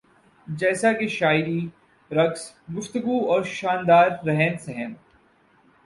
جیسا کہ شاعری رقص گفتگو اور شاندار رہن سہن